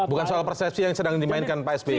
bukan soal persepsi yang sedang dimainkan pak s b ini